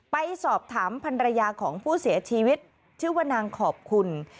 ไปสอบถามพันรยาของผู้เสียชีวิตชื่อว่านางขอบคุณ